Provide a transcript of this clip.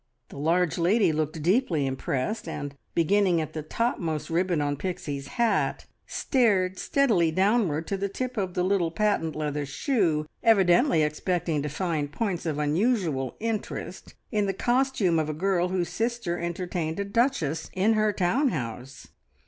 The large lady looked deeply impressed, and, beginning at the topmost ribbon on Pixie's hat, stared steadily downward to the tip of the little patent leather shoe, evidently expecting to find points of unusual interest in the costume of a girl whose sister entertained a duchess in her town house.